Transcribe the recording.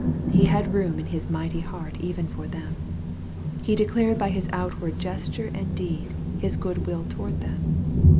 He had room in His mighty heart even for them. He declared by His outward gesture and deed, His good will toward them.